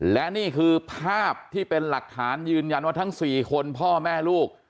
และนี่คือภาพที่เป็นหลักฐานยืนยันว่าทั้ง๔คนพ่อแม่ลูก